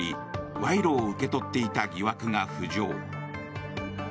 賄賂を受け取っていた疑惑が浮上。